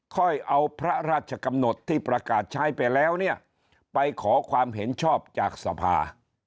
ค่อยเอาพระราชกำหนดที่ประกาศใช้ไปแล้วเนี่ยไปขอความเห็นชอบจากสภา